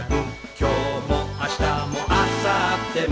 「今日も明日もあさっても」